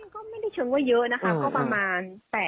ก็ไม่ได้ชนว่าเยอะนะครับ